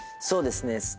そうですね。